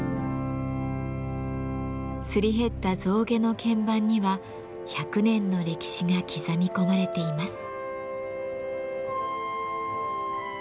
すり減った象牙の鍵盤には１００年の歴史が刻み込まれています。